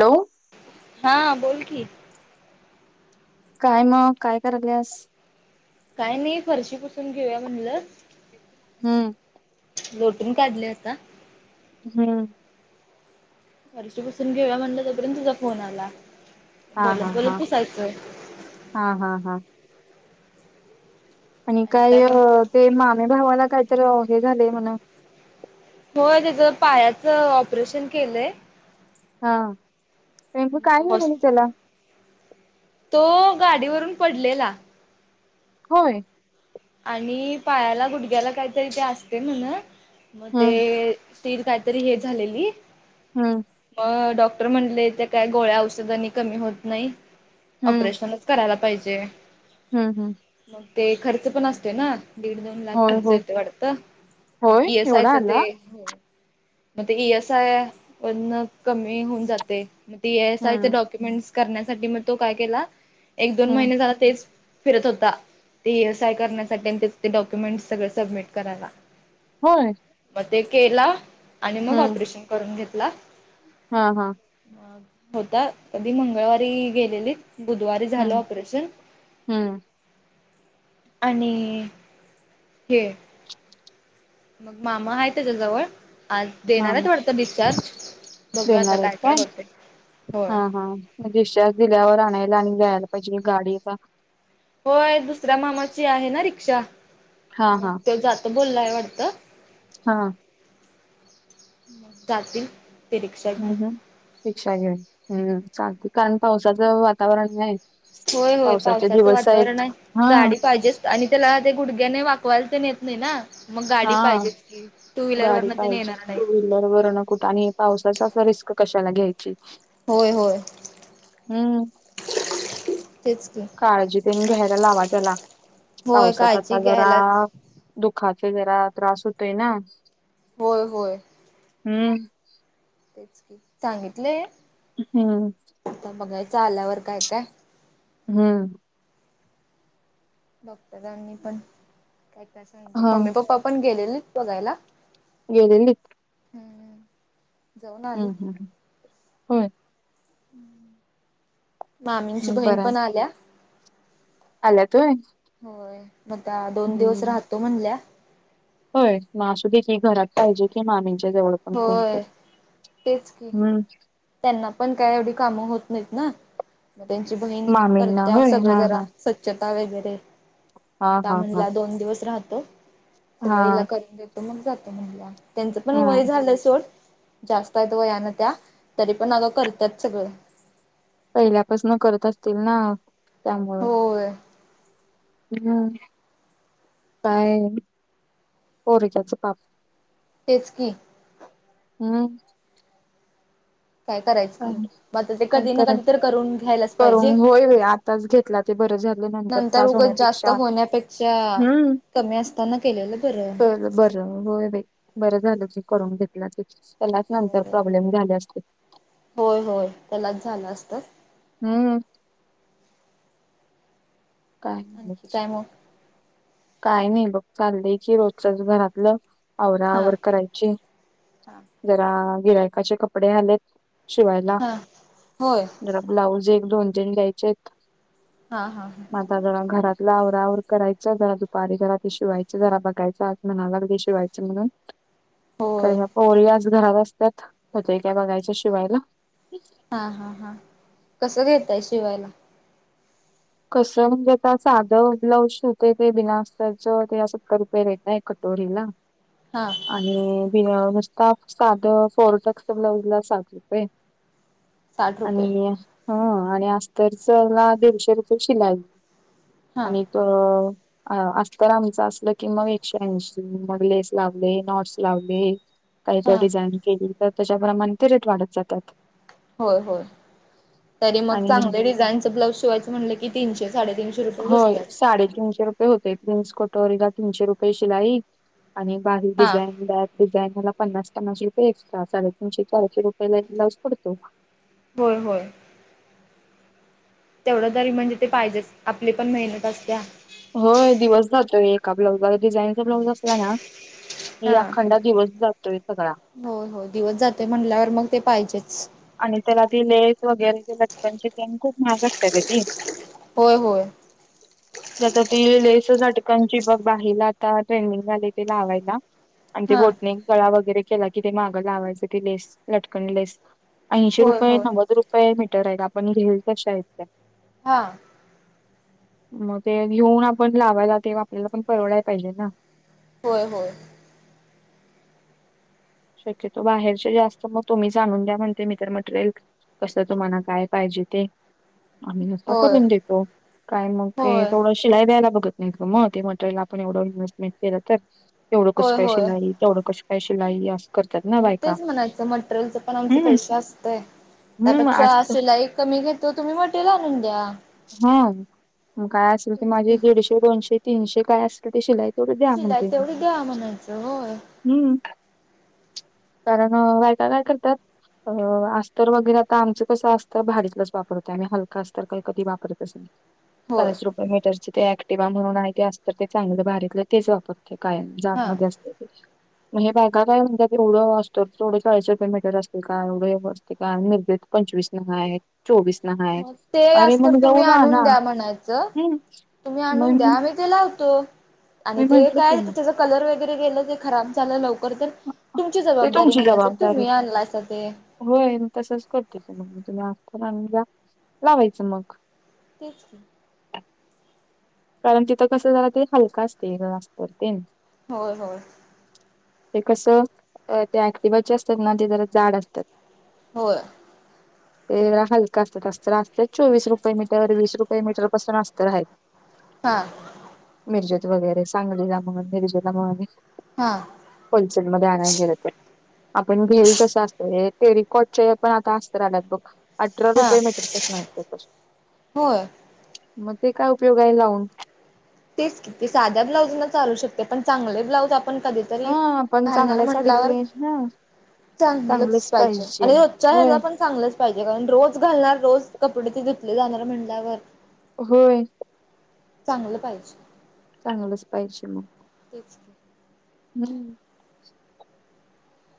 Hello हा बोल की काय मग काय करायलस काय नाही फरशी पुसून घेऊया म्हणलं हम्म लोटून काढले आता हा वर्ष पुसून घेऊ म्हणलं तोपर्यंत तुझा फोन आला हा हा बोलत बोलत हा पुसायचंय हा हा हा आणि काय ते मामे भावाला कायत हे झालेय म्हणा होय त्याच पायाच ऑपरेशन केलंय हा रेक काय तो हॉस् झालेल त्याला तो गाडीवरून पडलेला होय आणि पायाला गुडघ्याला काहीतरी ते असते ना ना मग हम्म ते त काहीतरी हे झालेली हम्म मग डॉ डक्टर म्हटले काय गोळ्या औषधानी कमी होत नाही हम्म ऑपरेशनच करायला पाहिजे जे हम्म हम्म ते खर्च पण असते ना दीड दोन लाख होय खर्च होय येते वाटत मग होय इसय एवढा तर ते आला मग ई एस आय व कमी होऊन जाते मग स आयचे हम्म डॉक्युमेंट करण्यासाठी मग तो काय केला एक दोन हम्म महिने झाला तेच फिरत होता ते य करण्यासाठी त्या ते डॉक्युमेंट सगळ सबमिट कराला हो. ते केला आणि मग ऑपरेशन करून घेतला. हा हा. मग होता कधी मंगळवारी गेलेली. बुधवारी झालं हम्म ऑपरेशन हम्म आणि हे. मग मामा आहे त्याच्याजवळ आज देणार आहे मामा थोडतं डिस्चार्ज बघू आता देणार आहेत काय का होते. होय हा हा रिचार्ज दिल्यावर आणायला आणि जायला पाहिजे गाडीचा होय दुसऱ्या मामाची आहे ना रिक्षा हा मग हा त जात बोललाय वाटतं हा रात्री हम् हम् शिक्षा घेऊन हम् ग कारण पावसाचं वातावरण नाही होय होय पावसाचे पावसाचं दिवस वातावरण आहेत आहे हा गाडी पाहिजेच आणि त्याला ते गुडघ्याने वाकवायल तर नेत नाही ना मग गाडी हा पाहिजेत की टू व्हीलर गाडी वरन ते पाहिजे नेणार नाही टू व्हीलर वर न कुठं आणि पावसाचा अस रिस्क कशाला घ्यायच. होय होय हम्म. तेच की काळजी त्यांनी घ्यायला लावा त्याला होय पावसात काळजी आता जरा घ्यायला दुख दख जरा त्रास होतोय ना. होय होय. हम्म. तेच क सांगितले. हम्म. बघाय चा आल्यावर काय काय? हम्म. हा मम्मी पप्पा पण गेलेले बघायला. गेलेलीत जाऊन आली. हो. मामींची बहीण पण आल्या आला होय. मता दोन हम्म दिवस राहतो म्हणल्या. होय म असू देील घरात पाहिजे कि माम वळ पण कोणत होय तेच की हम्म. त्यांना पण काय एवढी कामं होत नाहीत ना. मग त्यांची बहीण मामींना करत्या होय सगळ हा जरा स्वच्छता वगैरे हा मग का हा हा म्हणला दोन दिवस राहत. हा सगला करून देतो मग जातो म्ह त्यांचं पण हा हा वय झालं सोड. जास्त येत वयान त्या तरी पण आलं करतात सगळं. पहिल्यापासन करत असतील ना त्यामुळे होय हम् काय पोरीच्या पाप तेचकी हम्म. काय करायचं खरं मग आता ते काय कधी ना कधी कराच तर करून घ्यायलाच करून पाहिजे होय होय आताच घेतला ते बर. झाल्या नंतर त्रास उगच जास्त होण्यापेक्षा होण्यापेक्षा हम्म. कमी असताना केलेलं बरं च बरं होय बरं झालं. करून घेतल्या त्याचेच नंतर हो त्याला प्रॉब्लेम झाले असते. होय होय त्यालाच झालं असत. हम्म. काय नाही आणखी काय मग काय नाही बघ चाललंय की रोजचच घरातलं. हा आवरावर करायची जरा गिरायकाचे कपडे आलेत. शिवायला हा होय जरा ब्लाऊज एक दोन-तीन द्यायचे आहेत. हा हा ह मता जरा घरातला आवरावर करायच जराु. दुपारी जरा ते शिवायच जरा बघायं आज म्हणालाग ते शिवायचं म्हणून. होय पोरि आज घरात असतात कत का बघायच्या शिवायला. हा हा हा कसं घेताय शिवायला. कस म्हणजे आता साधं ब्लाऊज होते ते बिना अस्तरच ते सत्तर रुपये दता एकट. ोरीला हा आणि बि साध फोर टेक्स ब्लाउज ला साध रुपे साठ रुपये आणि हा आणि अस्तर चला दीडशे रुपये शिलाय हा आणि त अ अस तर आमचं असल की मग एकशेऐंशी मग लेस लावले नॉट्स लावले. काही ज हा डिझाईन केली तर त्याच्यामुळे मंी रेट वाढत जातात. होय होय तरी मग आणि चांगलं डिझाईनच ब्लाउज शिवायच म्हटलं की तीनशे साडेतीनशे रुपये होय बसतात साडेतीीनशे रुपये होतेय. जेन्स कोटोरला तीनशे रुपये शिलाई आणि बाारी हा डिझाईन बॅक डिझाईन मला पन्नास पन्नास रुपये एक्टा साडेतीनशे चारशे रुपयाे ला एक लाउज पडतो. होय होय. तेवढं तरी म्हणजे ते पाहिजेच आपली पण मेहनत असते्या. हो दिवस जातोय एका ब्लाउजला डिझाईनचा ब्लाउज अस आहे ना. की हा अखंड दिवस जातोय सगळा हो हो दिवस जातोय म्हणल्यावर मग ते पाहिजेच. आणि त्याला ती लेस वगैरे ज लटकनची ते खूप मगगत त्याची. होय होय. आता ती लेस झटकांची बघ बाहिला आता ट्रेनिंग झाली त लावायला. आणि ते हा. बोटने गळा वगैरे केला कि ते मागं लावायचं ते लेस लटकन लेस. ऐंशी होय रुपये होय नव्वद रुपये मीटर आहेत आपण घेईल कशा आहेत त्या. हा. मग ते घेऊन आपण लावायला तेे आपल्याला पण परवडय पाहिजे ना. होय होय. शक्यतो बाहेरचे जास्त मग तुम्ही जाणून द्या म्हणते मी तर मटेरिय. कसं तुम्हाला काय पाहिजे ते. आम्ही अससा होय करून देतो काय मग ते होय. थोडं शिलाई द्यायला बघत. मग ते मटेरियल आपण एवढं इन्व्हेस्टमेंट केलं तर एवढं कस होय काय होय शिलाई तेवढं कस. स्पशलाई अस. मग तेच म्हणायचं मटेरियलच पण आमच हम्म. पैश असतय. हम्म त्यापेक्षा असत शिलाई कमी घेतो तुम्ही मटेरियल आणून द्या. हा काय असेल ते तेच माझे की. दीडशे दोनशे तीनशे काय असेल ते शिलाय. थोड द्या शिलाई म्हणते म तेवढी द्या म्हणायचं होय हम्म. कारण बायका काय करतात. अ अस्तर वगैरे आता आमचं कसं असतं भारीतलंच वापरत आणि हलका अस्तर काही. [unintelligible] होय ते ऍक्टिवा म्हणून आहे ते असत ते चांगलं बारीकलं तेच वापरते काय हा. झाडमध्येध्ये असत ते. म्हण हे बायग काय म्हणतात एवढं असतो तेढं ळीश रलो ममीटर असते का एवढे असते का आणि निर्ज. पंचवीस ना हा आहे चोवीस ना हा आहे. मग ते अरे असतर मग जाऊ तुम्ही आणून द्या म्हणायचं हम्म तुम्ही मग आणून मी द्या म्ही ते लावतो. आणि मी ते म्हंटले की काय मग त्याचा कलर वगैरे गेलं ते खराब झालं लव करत तुमची ते जबाबदारी तुमची म्हणायच जबाबदारी तुम्ही आणला अस ते होय तसच करतेच मग मी तुम्ही आफतर आण द लावायचं मग तेच कारण तिथं कसं झालं ते हलका असते जास्त ते होय हो ते कसं ते ऍक्टिवाचे असतात ना ते जरा जाड असतात होय ते हलका असत असत असत चोवीस रुपये मीटर वीस रुपये मीटर पासून असत आहेत हा जत वगैरे सांगलीला म्हण मिरजेला म हां होलसेलमध्येध्ये आणायला गेलं आपण घेल तस असतोय ते रिकॉटच्या या पण आता असत आल्यात बघ अठरा हां रुपये मीटर पासंन आहेत ते होय. [inaudible] मग ते काय उपयोग उपयोग आहे लावून. तेच की ते साध्या ब्लाउज चालू शकतेय पण चांगले ब्लाउज आपण. आपण कधीतरी हा पण घालणार चांगल्या म्हणल्यावर. साडीतले हा चांगलंच पाहिजे आणि रोजच्या ह्याला पण चांगलंच पाहिजे कारण रोज घालणार रोज. कपडे ते धुतले जाणार म्हणल्यावर. होय. चांगलं पाहिजे. चांगलंच पाहिजे मग [inaudible] हम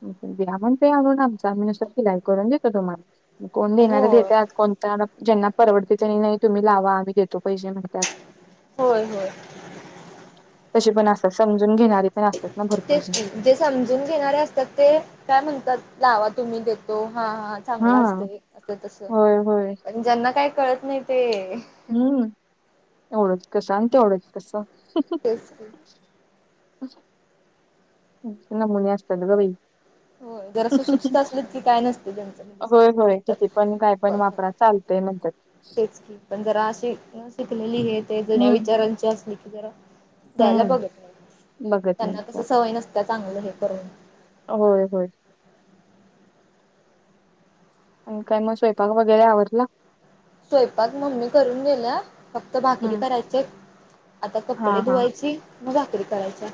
आणून द्या आणून देणार असाल तर शिलाई करून देतो. तुम्हाला कोण देणारं होय देत्यात कोण [inaudible] ज्याना परवडतय त्यांनी नाही तुम्ही लावा आम्ही देतो. पैशे म्हणत्यात. होय होय. तशे पण असत्यात समजून घेणारे पण असतात ना भरपूर तेच जण की जे समजून घेणारे असतात ते काय म्हणतात लावा तुम्ही देतो हा हा चांगला असतय आता तस होय पण ज्यांना काही कळत नाही ते हम एवढच कस आणि ते एवढंच कसं तेच की [inaudible] नमुने असतात ग बई होय जरा सुशिक्षित असलीत की काय नसतय त्यांचं म्हणजे होय समजून होय. घेतात किती काय पण वापरा चालतय म्हणतात. तेच की पण जरा अशी न शिकलेली हे ते जुन्या हम्म. विचारांची असलीत की जरा द्यायला हम्म बघत नाहीत बघत नाही त्यांना कसं तर. सवय नसत्या चांगलं हे करून होय होय आणि काय म स्वयंपाक वगैरे आवरलं स्वयंपाक मम्मी करून गेल्या. फक्त भाकरी हम्म करायचेयत. आता हा कपडे हा. धुवायची म भाक. री करायच्या.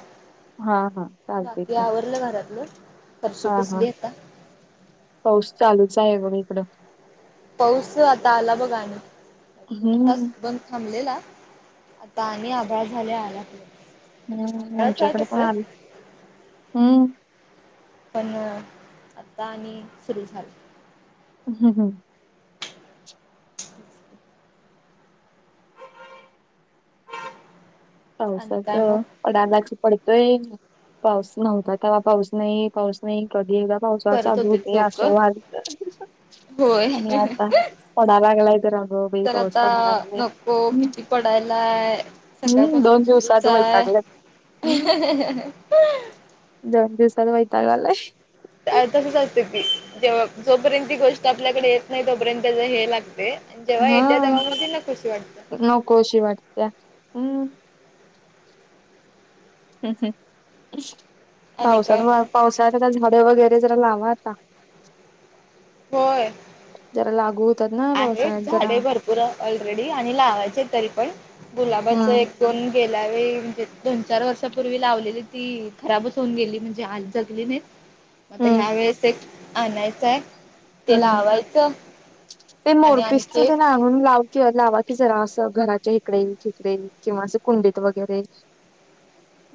हा हा चालतय बाकी की आवरलं घरातलं फरशी हा हा पुसली आता पाऊस चालूच आहे आग बई इकडं पाऊस आता आला बघ आणि दोन तास हम्म. बंद थांबलेला आता आणि आभळ झालय. आला पाऊस हम्म आभळाच आहे आमच्याकडे तस पण आल हम्म पण आता आणि सुरू झालं हम हम [inaudible] आणि पावसात काय मग पडला की पडतोय. पाऊस नव्हता तेव्हा पाऊस नाही पाऊस नाही कधी एकदा पावसाळा करत चालू होते होतोय. लोक असं व्हालत होय आणि आता पडा लागलाय तर अगं बाई तर पाऊस आता पडा लागलाय. नको हम्म किती पडायलाय सकाळ हम्म पासून दोन दिवसात सुरूच हाय वैतागल्यात हम्म दोन दिवसात वैताग आलाय अ तसंच असतय ती जेव्हा जोपर्यंत ती गोष्ट आपल्याकडे येत नाही तोपर्यंत त्याच हे लागतय. जेव्हा हा येत्या तेव्हा म ती नकोशी वाटत्या. नकोशी वाटत्या हम्म ह ह आणि पावसात काय मग [inaudible] पावसाळ्यात आता झाडे वगैरे जरा लावा आता. जरा लागू होतील. आहे झाडे भरपूर ऑलरेडी आणि लावायचे आहेत. तरी पण गुलाबाच हम्म एक दोन गेल्यावेळी. वेळी म्हणजे दोन चार वर्षापूर्वी लावलेली ती खराबच होऊन गेली म्हणजे आली जगली नाहीत. म आता हम्म ह्या वेळेस एक आणायचं आहे ते हम्म आवायचं ते मोरपीसच ते आणून लाव की लावा की जरा असं घराच्या इिकडे तिकडे किंवा असं कुंडीत वगैरे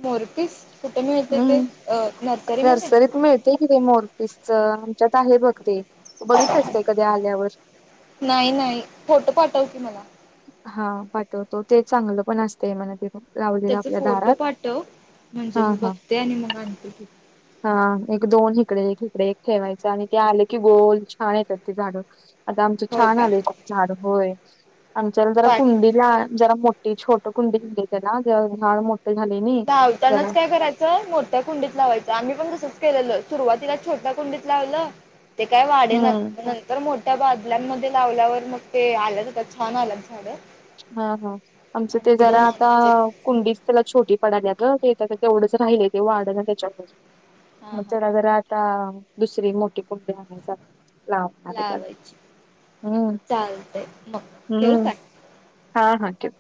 मोरपीस कुठे मिळते ते हम्म अ नर्सरीमध्ये नर्सरीत मिळते कि मोरपीसच च्यात आहे बघ ते तू बघितलास का कधी आल्यावर नाही नाही फोटो पाठव की मला हा पाठवतो ते चांगलं पण असते म्हना ते लावलेलं त्याचे आपल्या फोटो दारात पाठव हा म्हणजे मी हा बघते आणि मग आणते हा एक दोन ह इकडे इकडे एक ठेवायचं आणि ते आले की गोल छान येतात ते झाडं आता आमचे होय छान का आले झाड होय आमच्याला जरा पाठ कुंडीला जरा मोठ छोट कुंडी हली आहे ना झा मो धावतानाच काय करायचं मोठ्या कुंडीत लावायचं आम्ही पण तसंच केलेलं सुरुवातीला छोटा कुंडीत लावलं ते काय वाढे न हम्म नंतर मोठ्या बादलांमध्ये लाावल्यावर मग ते आलंच होता छान आलंत झाड हा हा आमचं ते जरा आता आणायचे कुंडीच त्याला छोटी पडल्या ग ते तेवढंच राहिल तेव्हा वाढणं त्याच्यामुळे हा मग हा तरगर आता दुसरी मोठी कुंडी आण लावणार त्यांना लावायची चालतंय मग ठेऊ हम्म का हा हा ठेव